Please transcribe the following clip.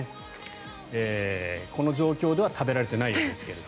この状況では食べられていないようですけど。